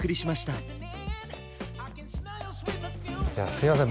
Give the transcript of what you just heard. すいません